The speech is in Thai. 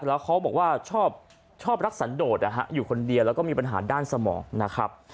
แล้วเขาบอกว่าชอบรักสันโดดนะฮะอยู่คนเดียวแล้วก็มีปัญหาด้านสมองนะครับ